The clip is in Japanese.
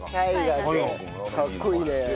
かっこいいね。